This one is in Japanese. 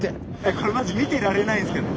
これマジ見てられないんすけど。